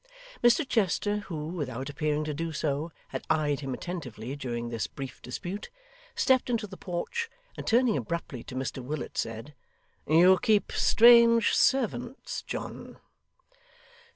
Mr Chester, who, without appearing to do so, had eyed him attentively during this brief dispute, stepped into the porch, and turning abruptly to Mr Willet, said, 'You keep strange servants, John.